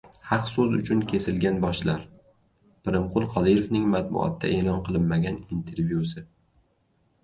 Haq so‘z uchun kesilgan boshlar. Pirimqul Qodirovning matbuotda e’lon qilinmagan intervyusi